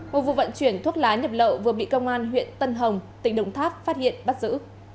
một vụ vận chuyển thuốc lá nhập lậu vừa bị công an huyện tân hồng tỉnh đồng tháp phát hiện bắt giữ